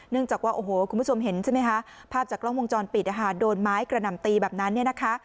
เนื่องจากว่าคุณผู้ชมเห็นใช่ไหมภาพจากกล้องวงจรปิดโดนไม้กระหน่ำตีแบบนั้น